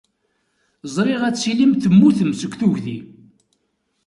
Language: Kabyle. Ẓriɣ ad tilim temmutem seg tugdi.